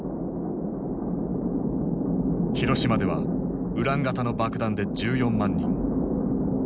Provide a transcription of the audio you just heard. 広島ではウラン型の爆弾で１４万人。